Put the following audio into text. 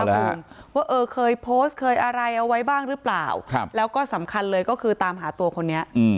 ว่าเออเคยโพสต์เคยอะไรเอาไว้บ้างหรือเปล่าแล้วก็สำคัญเลยก็คือตามหาตัวคนนี้